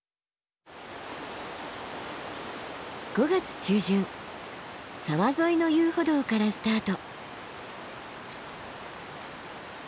５月中旬沢沿いの遊歩道からスタート。